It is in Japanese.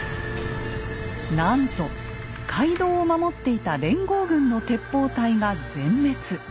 なんと街道を守っていた連合軍の鉄砲隊が全滅。